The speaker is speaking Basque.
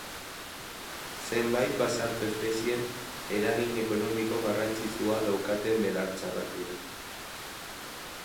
Zenbait basarto-espezie eragin ekonomiko garrantzitsua daukaten belar txarrak dira.